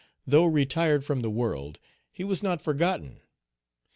Though retired from the world, he was not forgotten.